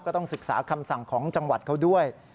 ก็ต้องศึกษาคำสั่งของจังหวัดเขาด้วย